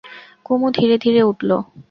কুমু ধীরে ধীরে উঠল।